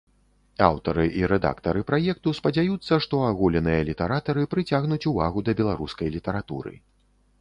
Аўтары і рэдактары праекту спадзяюцца, што аголеныя літаратары прыцягнуць увагу да беларускай літаратуры.